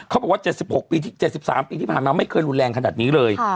เขาบอกว่า๗๖ปี๗๓ปีที่ผ่านมาไม่เคยรุนแรงขนาดนี้เลย